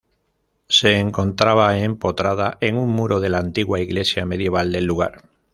Se encontraba empotrada en un muro de la antigua iglesia medieval del lugar.